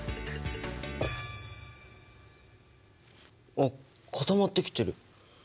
あっ固まってきてる。